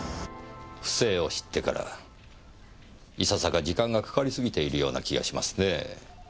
不正を知ってからいささか時間が掛かり過ぎているような気がしますね。